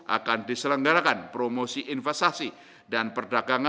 akan diselenggarakan promosi investasi dan perdagangan